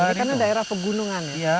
ini kan daerah pegunungan ya